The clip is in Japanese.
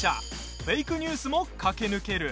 フェークニュースも駆け抜ける。